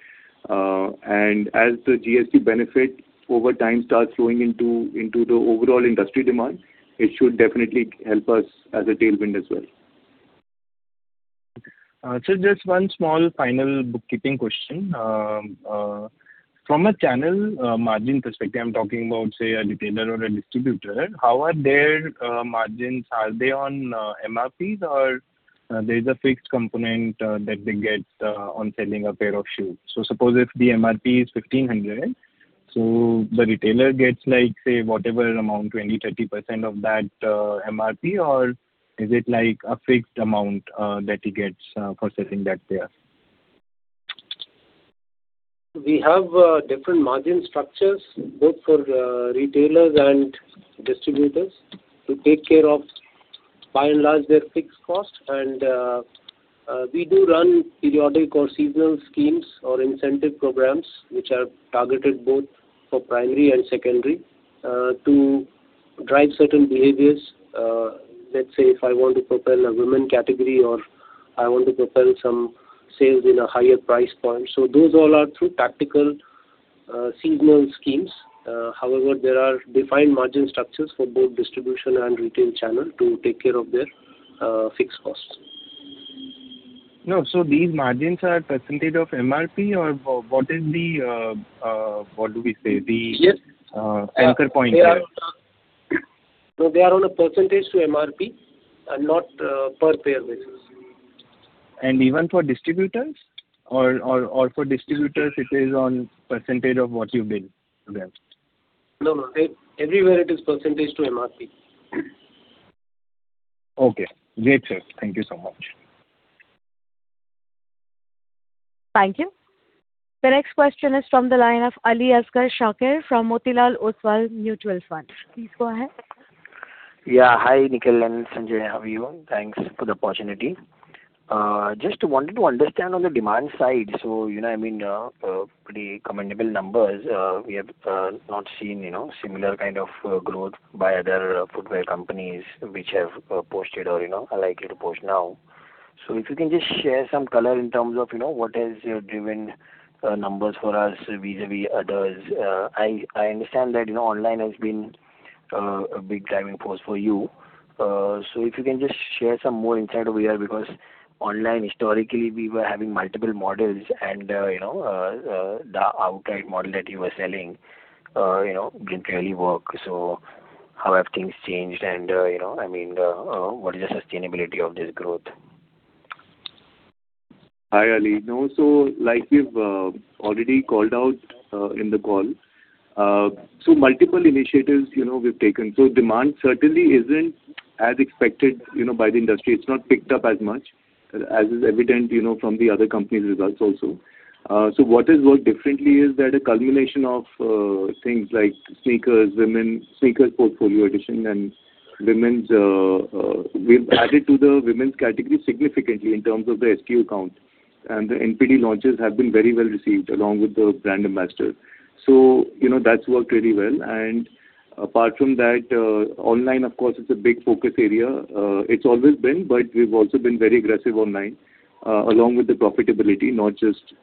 As the GST benefit over time starts flowing into the overall industry demand, it should definitely help us as a tailwind as well. So just one small final bookkeeping question. From a channel margin perspective, I'm talking about, say, a retailer or a distributor. How are their margins? Are they on MRPs, or there is a fixed component that they get on selling a pair of shoes? So suppose if the MRP is 1,500, so the retailer gets, say, whatever amount, 20%, 30% of that MRP, or is it a fixed amount that he gets for selling that pair? We have different margin structures both for retailers and distributors to take care of, by and large, their fixed cost. We do run periodic or seasonal schemes or incentive programs which are targeted both for primary and secondary to drive certain behaviors. Let's say if I want to propel a women category or I want to propel some sales in a higher price point. Those all are through tactical seasonal schemes. However, there are defined margin structures for both distribution and retail channel to take care of their fixed costs. No. So these margins are percentage of MRP, or what is the what do we say? The anchor point there? No, they are on a percentage to MRP and not per pair basis. Even for distributors? Or for distributors, it is on percentage of what you bid to them? No, no. Everywhere, it is percentage to MRP. Okay. Great, sir. Thank you so much. Thank you. The next question is from the line of Ali Asgar Shakir from Motilal Oswal Mutual Fund. Please go ahead. Yeah. Hi, Nikhil and Sanjay. How are you? Thanks for the opportunity. Just wanted to understand on the demand side. So I mean, pretty commendable numbers. We have not seen similar kind of growth by other footwear companies which have posted or are likely to post now. So if you can just share some color in terms of what has driven numbers for us vis-à-vis others. I understand that online has been a big driving force for you. So if you can just share some more insight over here because online, historically, we were having multiple models, and the outright model that you were selling didn't really work. So how have things changed? And I mean, what is the sustainability of this growth? Hi, Ali. No, so like you've already called out in the call, so multiple initiatives we've taken. So demand certainly isn't as expected by the industry. It's not picked up as much as is evident from the other companies' results also. So what has worked differently is that a culmination of things like sneakers, women's sneakers portfolio addition, and women's, we've added to the women's category significantly in terms of the SKU count. And the NPD launches have been very well received along with the brand ambassador. So that's worked really well. And apart from that, online, of course, it's a big focus area. It's always been, but we've also been very aggressive online along with the profitability.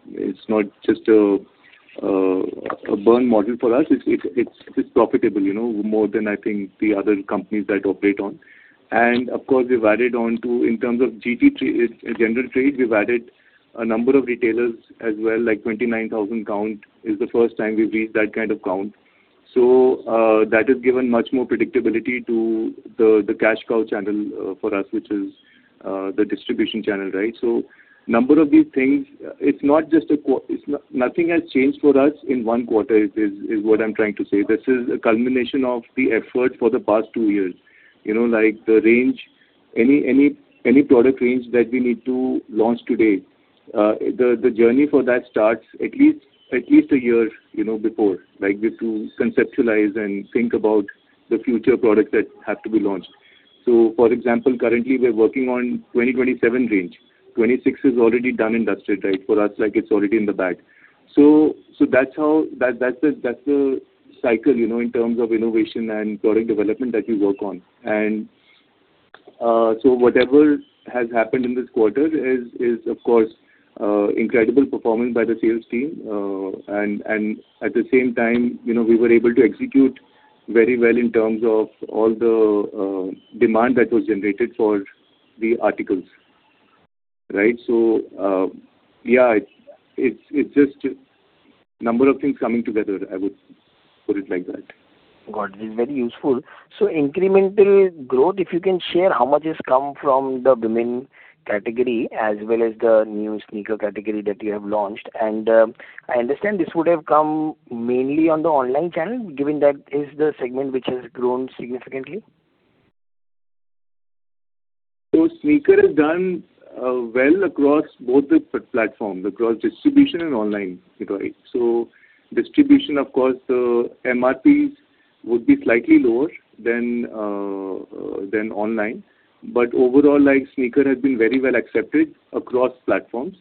It's not just a burn model for us. It's profitable more than, I think, the other companies that operate on. And of course, we've added onto in terms of general trade, we've added a number of retailers as well. 29,000 count is the first time we've reached that kind of count. So that has given much more predictability to the cash cow channel for us, which is the distribution channel, right? So number of these things, it's not just a nothing has changed for us in one quarter is what I'm trying to say. This is a culmination of the effort for the past two years. The range, any product range that we need to launch today, the journey for that starts at least a year before. We have to conceptualize and think about the future products that have to be launched. So for example, currently, we're working on 2027 range. 2026 is already done and dusted, right? For us, it's already in the bag. So that's the cycle in terms of innovation and product development that we work on. And so whatever has happened in this quarter is, of course, incredible performance by the sales team. And at the same time, we were able to execute very well in terms of all the demand that was generated for the articles, right? So yeah, it's just a number of things coming together, I would put it like that. Good. This is very useful. So incremental growth, if you can share how much has come from the women category as well as the new sneaker category that you have launched. And I understand this would have come mainly on the online channel given that is the segment which has grown significantly? So sneaker has done well across both the platforms, across distribution and online, right? So distribution, of course, the MRPs would be slightly lower than online. But overall, sneaker has been very well accepted across platforms.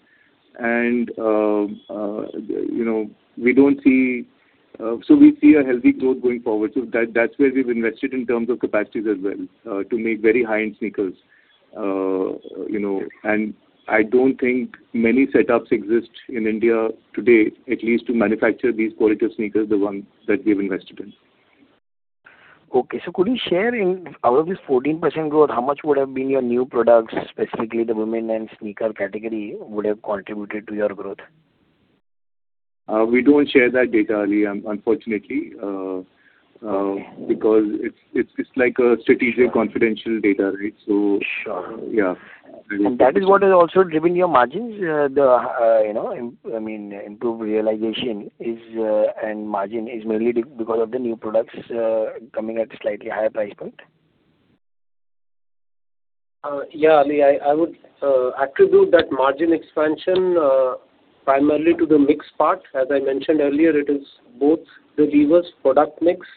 And we don't see so we see a healthy growth going forward. So that's where we've invested in terms of capacities as well to make very high-end sneakers. And I don't think many setups exist in India today, at least to manufacture these quality of sneakers, the ones that we've invested in. Okay. Could you share out of this 14% growth, how much would have been your new products, specifically the women and sneaker category, would have contributed to your growth? We don't share that data, Ali, unfortunately, because it's like a strategic confidential data, right? So yeah. That is what has also driven your margins? I mean, improved realization and margin is mainly because of the new products coming at a slightly higher price point? Yeah, Ali. I would attribute that margin expansion primarily to the mix part. As I mentioned earlier, it is both the levers product mix,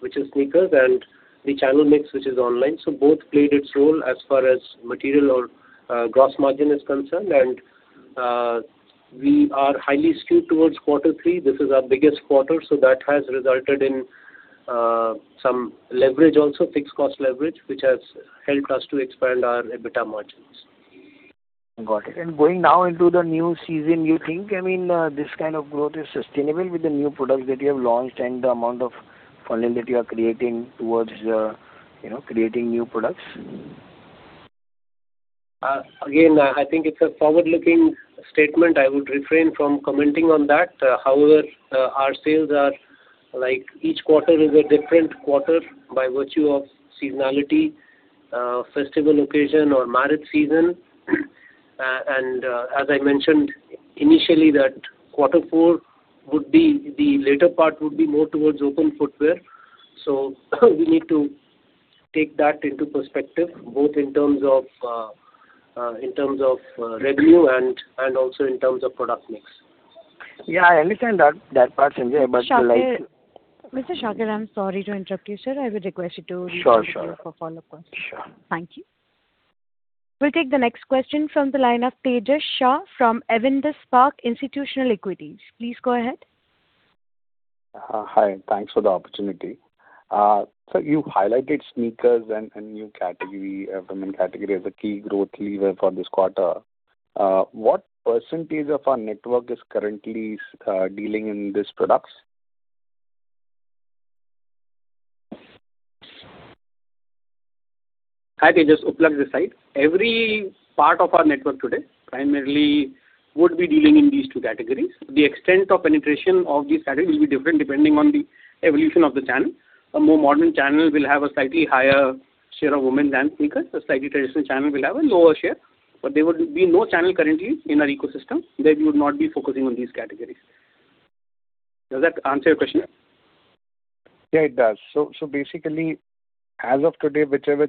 which is sneakers, and the channel mix, which is online. So both played its role as far as material or gross margin is concerned. And we are highly skewed towards quarter three. This is our biggest quarter. So that has resulted in some leverage also, fixed cost leverage, which has helped us to expand our EBITDA margins. Got it. And going now into the new season, you think I mean, this kind of growth is sustainable with the new products that you have launched and the amount of funnel that you are creating towards creating new products? Again, I think it's a forward-looking statement. I would refrain from commenting on that. However, our sales are each quarter is a different quarter by virtue of seasonality, festival occasion, or marriage season. As I mentioned initially, that quarter four would be the later part would be more towards open footwear. We need to take that into perspective both in terms of revenue and also in terms of product mix. Yeah. I understand that part, Sanjay, but. Mr. Shakir, I'm sorry to interrupt you, sir. I would request you to remain with me for follow-up questions. Sure, sure. Thank you. We'll take the next question from the line of Tejas Shah from Avendus Spark Institutional Equities. Please go ahead. Hi. Thanks for the opportunity. You've highlighted sneakers and new category, women category, as a key growth lever for this quarter. What percentage of our network is currently dealing in these products? Hi, Tejas. Upalaksh this side. Every part of our network today primarily would be dealing in these two categories. The extent of penetration of these categories will be different depending on the evolution of the channel. A more modern channel will have a slightly higher share of women than sneakers. A slightly traditional channel will have a lower share. But there would be no channel currently in our ecosystem that you would not be focusing on these categories. Does that answer your question? Yeah, it does. So basically, as of today, whichever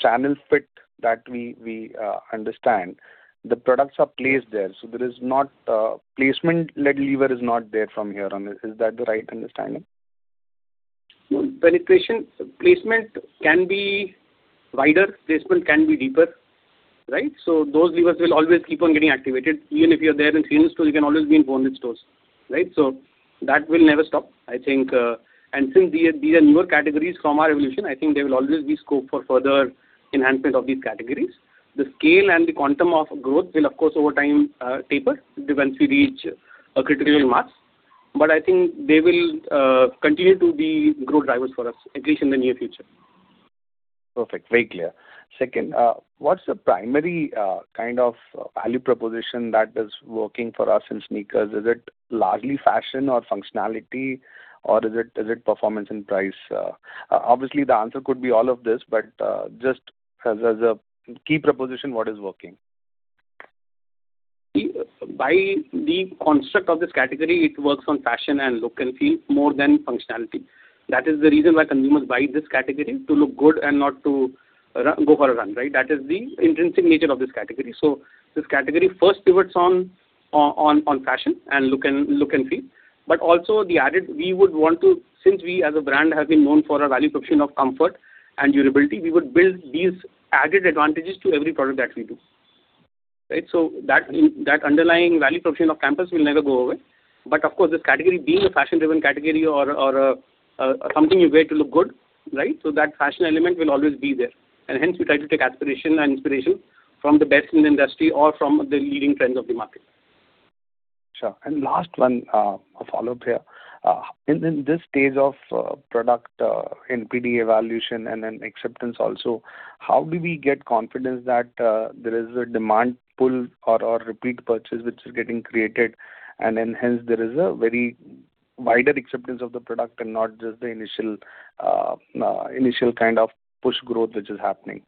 channel fit that we understand, the products are placed there. So there is not placement-led lever is not there from here on. Is that the right understanding? No, placement can be wider. Placement can be deeper, right? So those levers will always keep on getting activated. Even if you're there in seasonal stores, you can always be in Bata stores, right? So that will never stop, I think. And since these are newer categories from our evolution, I think there will always be scope for further enhancement of these categories. The scale and the quantum of growth will, of course, over time taper once we reach critical marks. But I think they will continue to be growth drivers for us, at least in the near future. Perfect. Very clear. Second, what's the primary kind of value proposition that is working for us in sneakers? Is it largely fashion or functionality, or is it performance and price? Obviously, the answer could be all of this, but just as a key proposition, what is working? By the construct of this category, it works on fashion and look and feel more than functionality. That is the reason why consumers buy this category: to look good and not to go for a run, right? That is the intrinsic nature of this category. So this category first pivots on fashion and look and feel. But also, we would want to since we, as a brand, have been known for our value proposition of comfort and durability, we would build these added advantages to every product that we do, right? So that underlying value proposition of Campus will never go away. But of course, this category being a fashion-driven category or something you wear to look good, right? So that fashion element will always be there. And hence, we try to take aspiration and inspiration from the best in the industry or from the leading trends of the market. Sure. And last one, a follow-up here. In this stage of product NPD evaluation and then acceptance also, how do we get confidence that there is a demand pull or repeat purchase which is getting created? And then hence, there is a very wider acceptance of the product and not just the initial kind of push growth which is happening?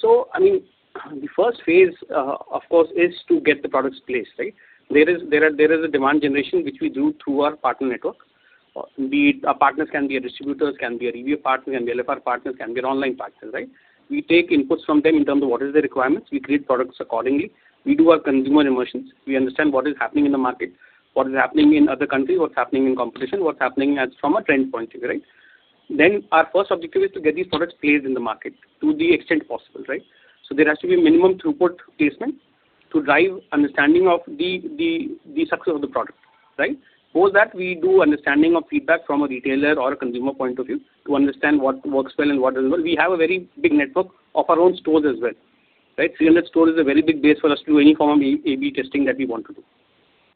So I mean, the first phase, of course, is to get the products placed, right? There is a demand generation which we do through our partner network. Indeed, our partners can be our distributors, can be our EBO partners, can be our LFR partners, can be our online partners, right? We take inputs from them in terms of what are their requirements. We create products accordingly. We do our consumer immersions. We understand what is happening in the market, what is happening in other countries, what's happening in competition, what's happening from a trend point of view, right? Then our first objective is to get these products placed in the market to the extent possible, right? So there has to be minimum throughput placement to drive understanding of the success of the product, right? Post that, we do understanding of feedback from a retailer or a consumer point of view to understand what works well and what doesn't well. We have a very big network of our own stores as well, right? 300 stores is a very big base for us to do any form of A/B testing that we want to do,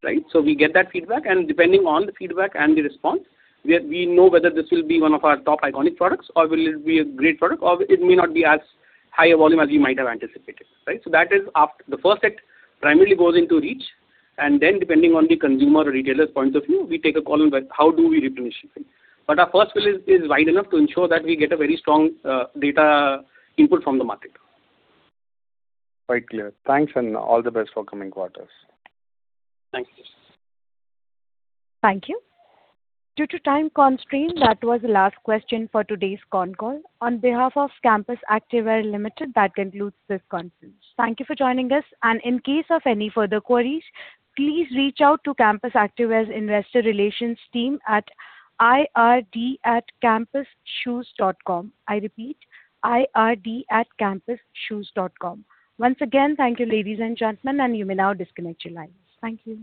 right? So we get that feedback. And depending on the feedback and the response, we know whether this will be one of our top iconic products or will it be a great product or it may not be as high a volume as we might have anticipated, right? So that is the first step. It primarily goes into reach. And then depending on the consumer or retailer's point of view, we take a call on how do we replenish, right? But our first fill is wide enough to ensure that we get a very strong data input from the market. Quite clear. Thanks, and all the best for coming quarters. Thank you. Thank you. Due to time constraints, that was the last question for today's phone call. On behalf of Campus Activewear Limited, that concludes this conference. Thank you for joining us. In case of any further queries, please reach out to Campus Activewear's investor relations team at ird@campusshoes.com. I repeat, ird@campusshoes.com. Once again, thank you, ladies and gentlemen, and you may now disconnect your lines. Thank you.